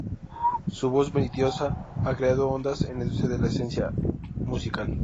Su voz melodiosa ha creado ondas en la industria de la escena musical.